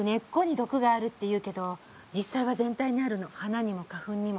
毒があるっていうけど実際は全体にあるの花にも花粉にも。